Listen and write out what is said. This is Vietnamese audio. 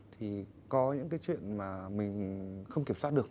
thì có những cái chuyện mà mình không kiểm soát được